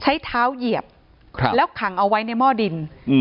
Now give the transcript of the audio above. ใช้เท้าเหยียบแล้วขังเอาไว้ในหม้อดิน